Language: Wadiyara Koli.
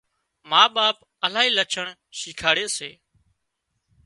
ما ٻاپ الاهي لڇڻ شيکاڙي سي